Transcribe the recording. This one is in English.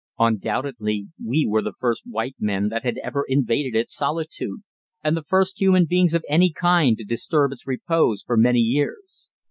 Undoubtedly we were the first white men that had ever invaded its solitude, and the first human beings of any kind to disturb its repose for many years.